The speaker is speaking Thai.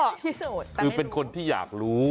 คือเป็นคนที่อยากรู้